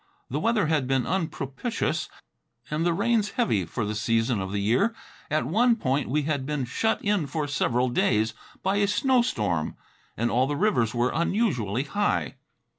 The weather had been unpropitious and the rains heavy for the season of the year. At one point we had been shut in for several days by a snowstorm, and all the rivers were unusually high.